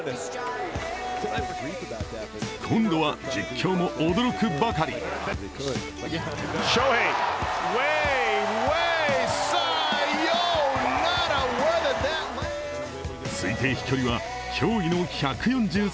今度は実況も驚くばかり推定飛距離は驚異の１４３ｍ。